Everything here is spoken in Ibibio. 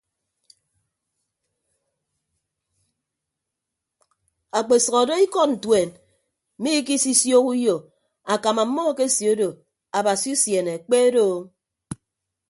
Akpesʌk odo ikọd ntuen mmiikisiooho uyo akam ọmmọ akeseedo abasi usiene kpe doo.